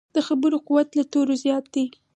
د خبرو قوت له تورو زیات دی.